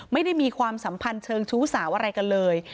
ไม่ได้มีความสัมพันธ์เชิงชู้สาวอะไรกันเลย